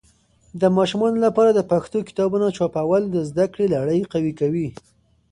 د ماشومانو لپاره د پښتو کتابونه چاپول د زده کړې لړی قوي کوي.